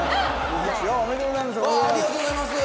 おめでとうございます。